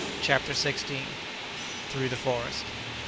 CHAPTER XVI. THROUGH THE FOREST.